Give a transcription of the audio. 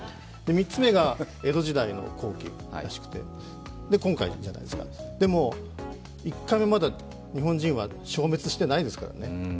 ３つ目が江戸時代の後期らしくて、それで今回じゃないですか、でも、１回もまだ日本人は消滅してないですからね。